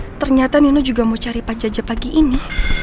ya ternyata nino juga mau cari pak jajah pagi ini